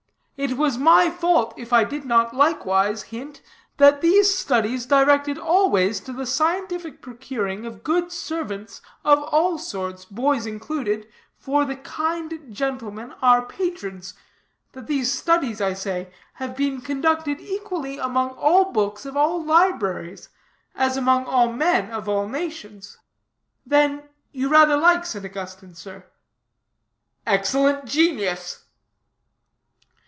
It was my fault, if I did not, likewise, hint, that these studies directed always to the scientific procuring of good servants of all sorts, boys included, for the kind gentlemen, our patrons that these studies, I say, have been conducted equally among all books of all libraries, as among all men of all nations. Then, you rather like St. Augustine, sir?" "Excellent genius!"